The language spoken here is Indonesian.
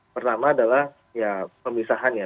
pertama adalah ya pemisahan ya